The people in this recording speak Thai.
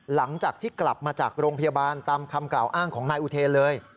หลังจากที่กลับมาจากโรงพยาบาลตามคำกล่าวอ้างของนายอุเทนเลย